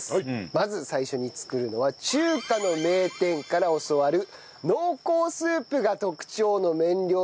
まず最初に作るのは中華の名店から教わる濃厚スープが特徴の麺料理だそうです。